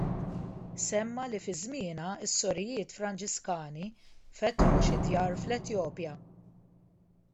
Semma li fi żmienha s-sorijiet Franġiskani fetħu xi djar fl-Etjopja.